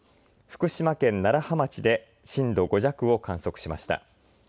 福島県楢葉町で震度５弱を観測しました。